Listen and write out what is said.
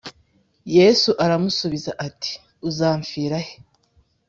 Yesu aramusubiza ati Uzampfira he